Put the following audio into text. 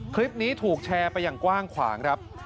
คลิปนี้ถูกแชร์ไปอย่างกว้างขวางครับ